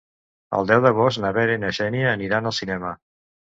El deu d'agost na Vera i na Xènia aniran al cinema.